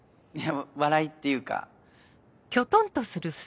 笑いっていうか。